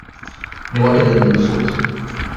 Ne oa ket un den sot.